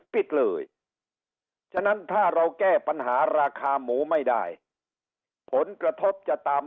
ปิดเลยฉะนั้นถ้าเราแก้ปัญหาราคาหมูไม่ได้ผลกระทบจะตาม